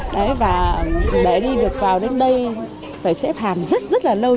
để đi được vào đến đây phải xếp hàng rất lâu